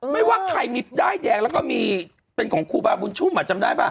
ไม่ว่าใครมีใดแดงแล้วก็เป็นของคูบาบุญชุ้มอะจำได้ไหม